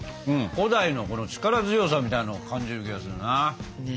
古代のこの力強さみたいなのを感じる気がするな。ね。